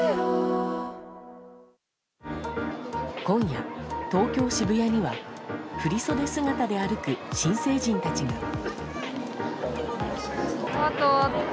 今夜、東京・渋谷には振り袖姿で歩く新成人たちが。